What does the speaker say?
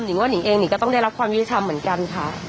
หนึ่งว่าหนึ่งเองก็ต้องได้รับความยุทธิธรรมเหมือนกันค่ะ